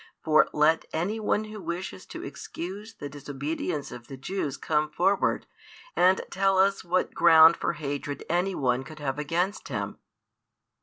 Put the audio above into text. For let any one who wishes to excuse the disobedience of the Jews come forward and tell us what ground for hatred any one could have against Him.